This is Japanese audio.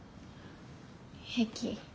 平気。